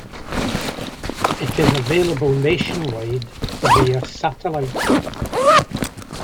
It is available nationwide via satellite.